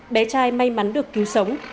bé trai may mắn được cứu sống